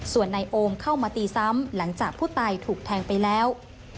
ส่วนนายโอมเข้ามาตีซ้ำหลังจากผู้ตายถูกแทงไปแล้ว